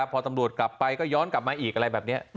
พอตำรวจกลับไปก็ย้อนกลับมาอีกอะไรแบบนี้